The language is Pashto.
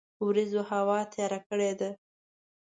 وریځوهوا تیار کړی ده